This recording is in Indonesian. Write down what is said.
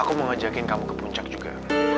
aku mau ngajakin kamu ke puncak juga